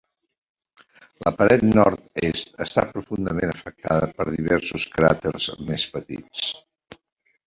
La paret nord-est està profundament afectada per diversos cràters més petits.